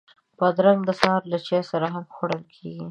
بادرنګ د سهار له چای سره هم خوړل کېږي.